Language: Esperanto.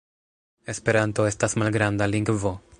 Esperanto estas malgranda lingvo.